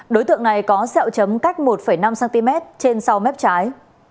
đối tượng này có sẹo chấm cách một năm cm trên sau mép trái